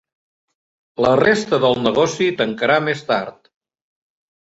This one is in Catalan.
La resta del negoci tancarà més tard.